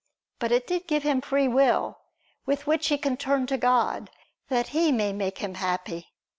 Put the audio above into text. But it did give him free will, with which he can turn to God, that He may make him happy.